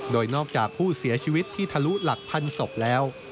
โดยนอกจากผู้เสียชีวิตที่ทะลุหลักพันศพแล้ว